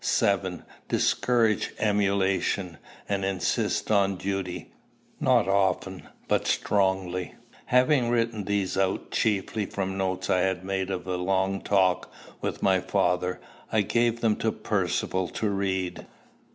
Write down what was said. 7. Discourage emulation, and insist on duty, not often, but strongly. Having written these out, chiefly from notes I had made of a long talk with my father, I gave them to Percivale to read.